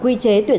thời kỳ hiện nay